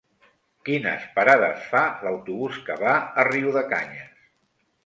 Quines parades fa l'autobús que va a Riudecanyes?